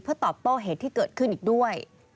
ตอบโต้เหตุที่เกิดขึ้นอีกด้วย